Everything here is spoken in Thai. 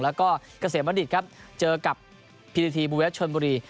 แล้วก็เกษมณิชย์ครับเจอกับพีทีทีบุเวสชนบุรี